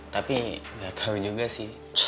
tapi gak tau juga sih